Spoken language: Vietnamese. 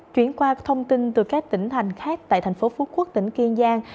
chuyển qua thông tin từ các tỉnh thành khác tại tp hcm tỉnh kiên giang